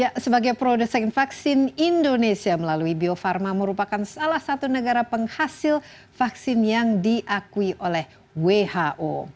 ya sebagai produsen vaksin indonesia melalui bio farma merupakan salah satu negara penghasil vaksin yang diakui oleh who